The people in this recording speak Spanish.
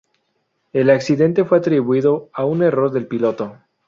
El accidente fue atribuido a un error del piloto.